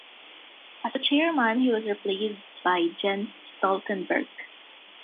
As a chairman he was replaced by Jens Stoltenberg.